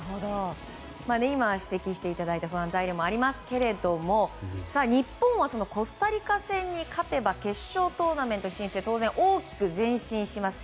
今、指摘していただいた不安材料もありますけども日本はそのコスタリカ戦に勝てば決勝トーナメント進出に当然大きく前進します。